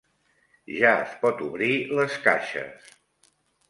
Ja es pot obrir les caixes.